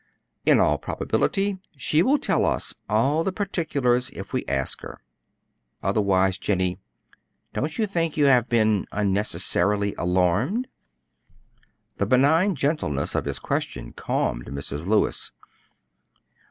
In all probability she will tell us all the particulars if we ask her. Otherwise, Jennie, don't you think you have been unnecessarily alarmed?" The benign gentleness of his question calmed Mrs. Lewis.